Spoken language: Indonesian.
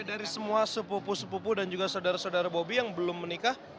dari semua sepupu sepupu dan juga saudara saudara bobi yang belum menikah